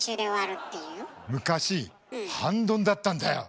昔半ドンだったんだよ！